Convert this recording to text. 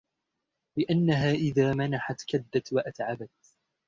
لِأَنَّهَا إذَا مَنَحَتْ كَدَّتْ وَأَتْعَبَتْ